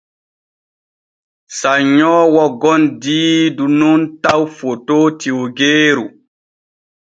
Sannyoowo gom diidu nun taw fotoo tiwggeeru.